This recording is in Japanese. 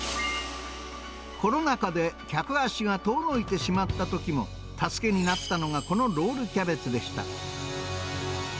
コロナ禍で客足が遠のいてしまったときも、助けになったのがこのロールキャベツでした。